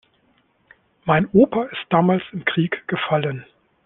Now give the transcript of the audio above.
Mein Opa ist damals im Krieg gefallen.